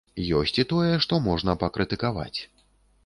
Ёсць і тое, што можна пакрытыкаваць.